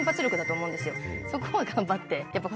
そこを頑張って。